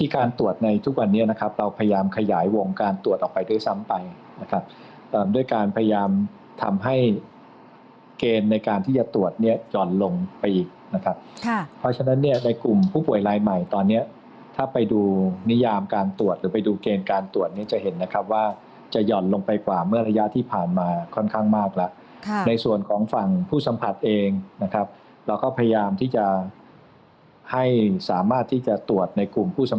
การตรวจในทุกวันนี้นะครับเราพยายามขยายวงการตรวจออกไปด้วยซ้ำไปนะครับด้วยการพยายามทำให้เกณฑ์ในการที่จะตรวจเนี้ยหย่อนลงไปอีกนะครับค่ะเพราะฉะนั้นเนี้ยในกลุ่มผู้ป่วยรายใหม่ตอนเนี้ยถ้าไปดูนิยามการตรวจหรือไปดูเกณฑ์การตรวจเนี้ยจะเห็นนะครับว่าจะหย่อนลงไปกว่าเมื่อระยะที่ผ่านมาค่อนข้างมาก